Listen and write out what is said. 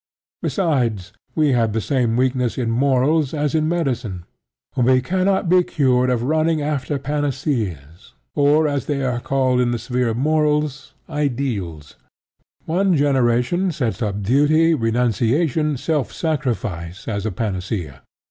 Besides, we have the same weakness in morals as in medicine: we cannot be cured of running after panaceas, or, as they are called in the sphere of morals, ideals. One generation sets up duty, renunciation, self sacrifice as a panacea.